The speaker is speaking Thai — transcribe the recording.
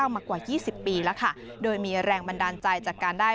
มากว่า๒๐ปีแล้วค่ะโดยมีแรงบันดาลใจจากการได้